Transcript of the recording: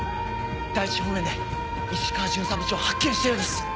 第１方面で石川巡査部長を発見したようです。